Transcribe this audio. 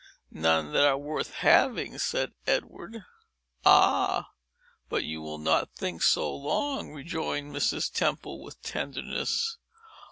"None that are worth having," said Edward. "Ah! but you will not think so long," rejoined Mrs. Temple, with tenderness.